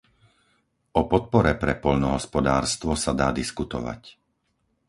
O podpore pre poľnohospodárstvo sa dá diskutovať.